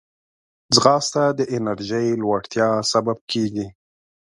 ځغاسته د انرژۍ لوړتیا سبب کېږي